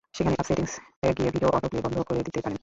সেখানে অ্যাপ সেটিংসে গিয়ে ভিডিও অটো প্লে বন্ধ করে দিতে পারেন।